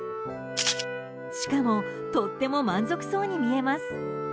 しかもとっても満足そうに見えます。